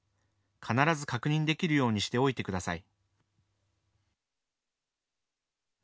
必ず確認できるようにしておいてください。